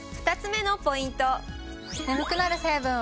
２つ目のポイント！